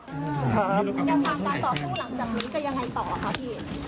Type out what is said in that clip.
ตามองค์ศอสตร์สู่หลังจากนี้จะยังไงต่อเขาที่